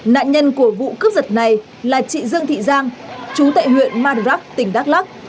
nạn nhân của vụ cướp giật này là chị dương thị giang chú tại huyện madrak tỉnh đắk lắc